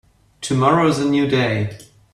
Tomorrow is a new day.